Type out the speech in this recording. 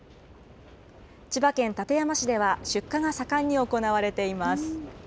千葉県館山市では、出荷が盛んに行われています。